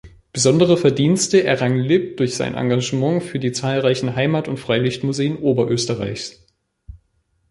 Besondere Verdienste errang Lipp durch sein Engagement für die zahlreichen Heimat- und Freilichtmuseen Oberösterreichs.